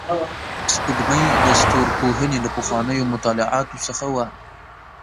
سپوږمۍ د ستورپوهنې له پخوانیو مطالعاتو څخه وه